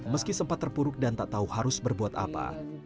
meski sempat terpuruk dan tak tahu harus berbuat apa